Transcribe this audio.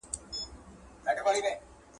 په هره ټولنه کي پوهان ډېر مهم دي.